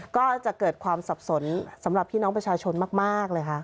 ก็จะเกิดความสับสนสำหรับพี่น้องประชาชนมากเลยค่ะ